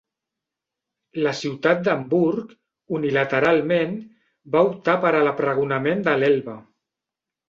La ciutat d'Hamburg, unilateralment, va optar per a l'apregonament de l'Elba.